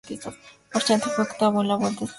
Marchante fue octavo en la Vuelta a España.